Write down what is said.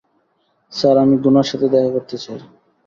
Sir, আমি গুনার সাথে দেখা করতে চাই।